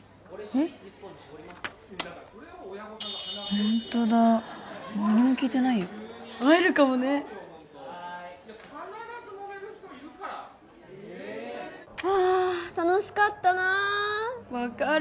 ホントだ何も聞いてないよ会えるかもね必ずもめる人いるからあ楽しかったな分かる